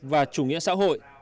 và chủ nghĩa xã hội